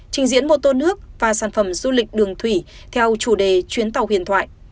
trình diễn mô tô nước và sản phẩm du lịch đường thủy theo chủ đề chuyến tàu huyền thoại